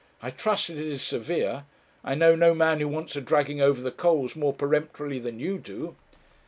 'I trust it is severe. I know no man who wants a dragging over the coals more peremptorily than you do.'